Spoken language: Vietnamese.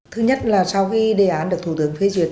thứ nhất là sau khi đề án được thủ tướng phê duyệt